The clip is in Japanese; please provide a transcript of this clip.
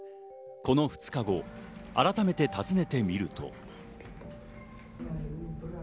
この２日後、改めて訪ねてみると。